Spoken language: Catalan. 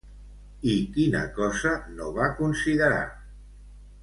I quina cosa no va considerar?